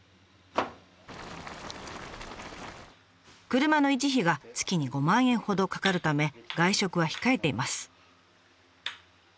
車の維持費が月に５万円ほどかかるため外食は控えています。